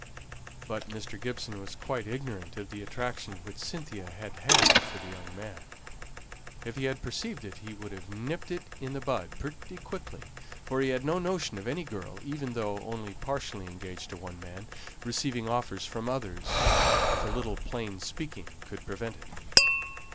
But Mr. Gibson was quite ignorant of the attraction which Cynthia had had for the young man. If he had perceived it, he would have nipped it in the bud pretty quickly, for he had no notion of any girl, even though only partially engaged to one man, receiving offers from others, if a little plain speaking could prevent it.